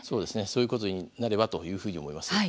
そういうことになればというふうに思います。